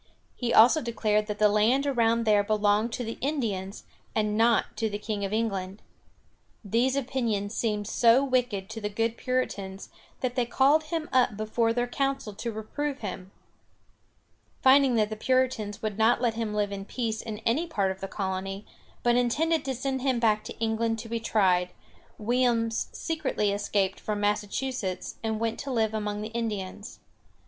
He also declared that the land around there belonged to the Indians and not to the King of England. These opinions seemed so wicked to the good Puritans that they called him up before their Council to reprove him. [Illustration: Williams Welcomed by the Indians.] Finding that the Puritans would not let him live in peace in any part of the colony, but intended to send him back to England to be tried, Williams secretly escaped from Massachusetts, and went to live among the Indians.